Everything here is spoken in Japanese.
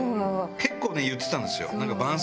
結構ね言ってたんですよ。